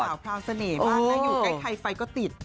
คุณพูดโขยเป็นนักมงสาวพร้าวเสน่ห์มากน่ะอยู่ใกล้ไฟก็ติด